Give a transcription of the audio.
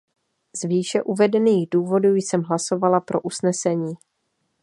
Z výše uvedených důvodů jsem hlasovala pro usnesení.